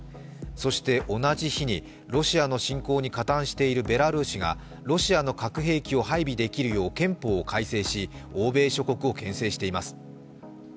そして、同じ日にロシアの侵攻に加担しているベラルーシがロシアの核兵器を配備できるよう憲法を改正し欧米諸国をけん制しています。